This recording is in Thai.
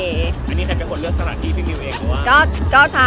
อันนี้ใช่เชื้อหนังความรู้โทษเองหรือเปล่า